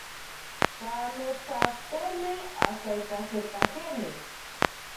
Kameetatene asaikajeetaiyene.